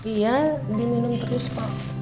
iya diminum terus pak